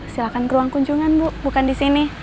silahkan ke ruang kunjungan bu bukan disini